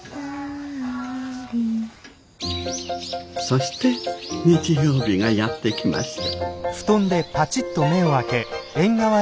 そして日曜日がやって来ました。